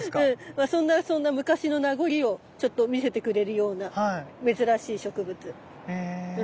まあそんな昔の名残をちょっと見せてくれるような珍しい植物。へ。